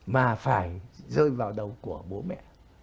mà phải rơi vào đầu của bố mẹ